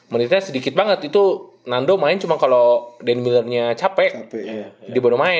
opsi utamanya dia bisa score